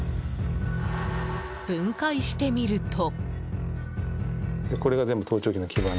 分解してみると。